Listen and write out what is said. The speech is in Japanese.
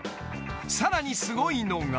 ［さらにすごいのが］